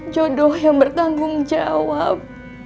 jodoh yang bertanggung jawab